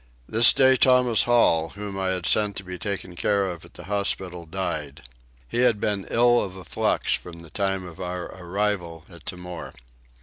This day Thomas Hall, whom I had sent to be taken care of at the hospital, died. He had been ill of a flux from the time of our arrival at Timor.